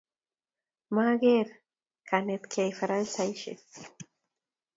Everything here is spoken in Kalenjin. Ma ang'er kenetgei Faransaek